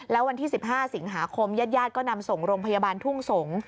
แล้ววันที่๑๕สิงหาคมญาติญาติก็นำส่งโรงพยาบาลทุ่งสงศ์